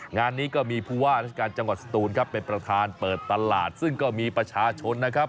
งานนี้ก็มีผู้ว่าราชการจังหวัดสตูนครับเป็นประธานเปิดตลาดซึ่งก็มีประชาชนนะครับ